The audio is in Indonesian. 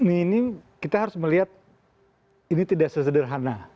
minim kita harus melihat ini tidak sesederhana